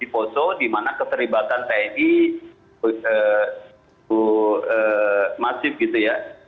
di polso di mana keterlibatan tni masif gitu ya